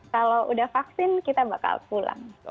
kalau udah vaksin kita bakal pulang